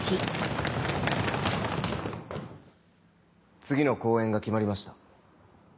次の公演が決まりました。